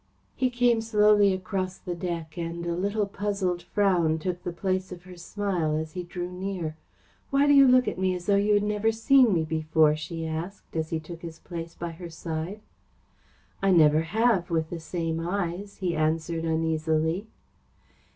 He came slowly across the deck, and a little puzzled frown took the place of her smile as he drew near. "Why do you look at me as though you had never seen me before?" she asked, as he took his place by her side. "I never have, with the same eyes," he answered uneasily.